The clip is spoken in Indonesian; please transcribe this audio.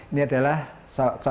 ini dalam berasal dari negara ekwator